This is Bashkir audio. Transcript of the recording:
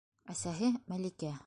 Әсәһе - Мәликә.